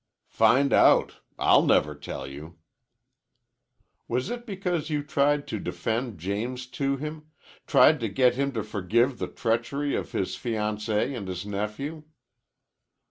"Find out! I'll never tell you." "Was it because you tried to defend James to him tried to get him to forgive the treachery of his fiancée and his nephew?"